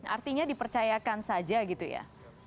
artinya dipercayakan saja gitu ya